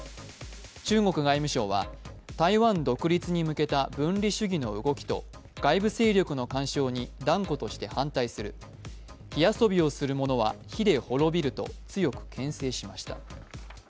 中国外務省は台湾独立に向けた分離主義の動きと外部勢力の干渉に断固として反対する、火遊びをする者は火で滅びると強くけん制しました。